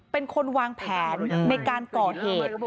เป็นคนวางแผนในการก่อเหตุ